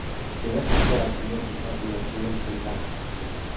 He left it dead, and with its head he went galumphing back.